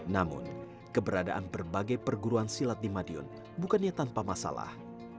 namun keberadaan berbagai perguruan silat di madiun bukannya tanpa masalah